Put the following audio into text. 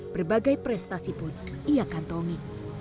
berbagai prestasi pun ia kantongi